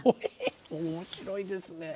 面白いですね。